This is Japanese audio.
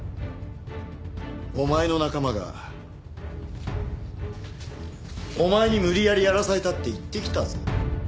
お前の仲間がお前に無理やりやらされたって言ってきたぞ。